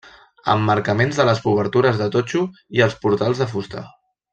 Emmarcaments de les obertures de totxo i els portals de fusta.